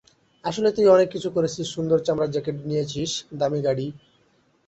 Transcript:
আসলেই তুই অনেক কিছু করেছিস সুন্দর চামড়ার জ্যাকেট নিয়েছিস, দামি গাড়ী।